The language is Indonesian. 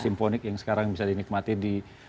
simfonik yang sekarang bisa dinikmati di